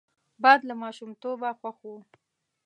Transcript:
باد له ماشومتوبه خوښ وو